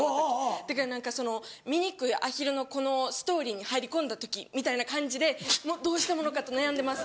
だから『みにくいアヒルの子』のストーリーに入り込んだ時みたいな感じでどうしたものかと悩んでます。